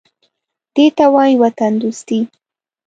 _دې ته وايي وطندوستي.